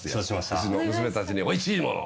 うちの娘たちにおいしいものを。